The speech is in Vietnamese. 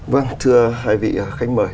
vâng thưa hai vị khánh mời